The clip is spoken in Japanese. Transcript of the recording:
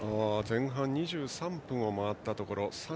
前半２３分を回ったところ。